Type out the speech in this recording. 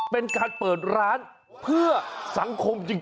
เป็นการเปิดร้านเพื่อสังคมจริง